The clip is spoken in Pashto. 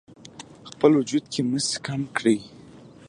خپل وجود کې مس کم کړئ: